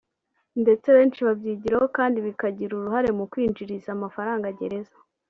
ndetse benshi babyigira aho kandi bikanagira uruhare mu kwinjiriza amafaranga gereza